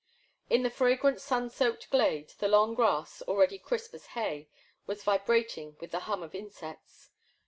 In the fragrant sun soaked glade the long grass, already crisp as hay, was vibrating with the hum of insects.